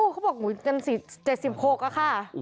ก็บอก๗๐โคก